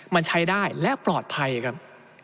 มันใช้ได้และปลอดภัยครับ